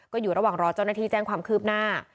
ก็อยู่ระหว่างรอเจ้าหน้าที่แจ้งความคืบหน้า